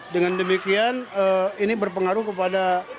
dengan demikian ini berpengaruh kepada